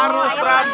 rumah malkis coklat